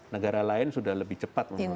negara lain sudah lebih cepat